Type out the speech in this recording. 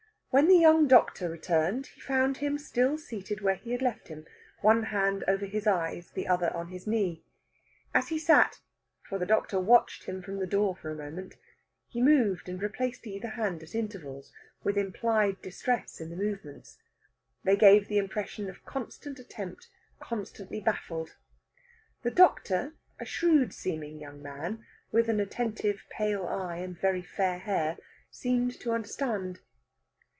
When the young doctor returned, he found him still seated where he had left him, one hand over his eyes, the other on his knee. As he sat for the doctor watched him from the door for a moment he moved and replaced either hand at intervals, with implied distress in the movements. They gave the impression of constant attempt constantly baffled. The doctor, a shrewd seeming young man with an attentive pale eye, and very fair hair, seemed to understand.